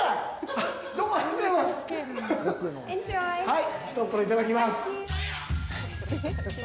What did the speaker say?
はい、ひとっ風呂、いただきます。